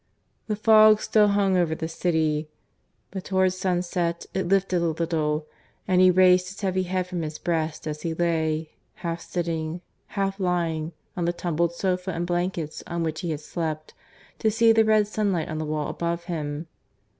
The fog still hung over the city; but towards sunset it lifted a little, and he raised his heavy head from his breast as he lay, half sitting, half lying, on the tumbled sofa and blankets on which he had slept, to see the red sunlight on the wall above him.